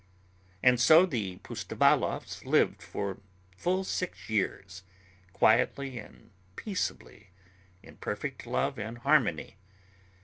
And so the Pustovalovs lived for full six years, quietly and peaceably, in perfect love and harmony.